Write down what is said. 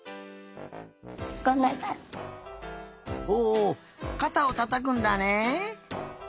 おかたをたたくんだね。